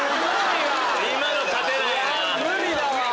無理だわ。